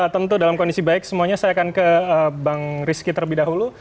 tentu dalam kondisi baik semuanya saya akan ke bang rizky terlebih dahulu